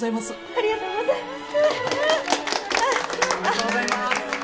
おめでとうございます！